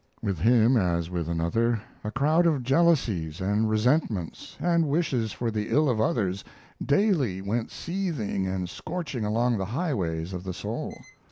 With him, as with another, a crowd of jealousies and resentments, and wishes for the ill of others, daily went seething and scorching along the highways of the soul.